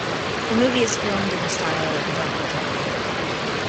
The movie is filmed in the style of a docudrama.